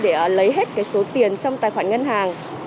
để lấy hết số tiền trong tài khoản ngân hàng